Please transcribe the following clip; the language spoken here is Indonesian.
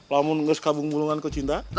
lamun ngeskabung bulungan kecinta